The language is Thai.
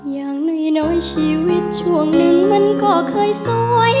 อย่างน้อยชีวิตช่วงหนึ่งมันก็เคยสวย